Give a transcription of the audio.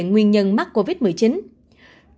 nguyên nhân mắc covid một mươi chín